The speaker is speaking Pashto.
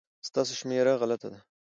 ستاسو شمېره غلطه ده